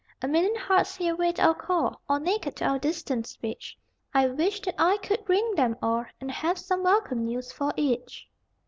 A million hearts here wait our call, All naked to our distant speech I wish that I could ring them all And have some welcome news for each!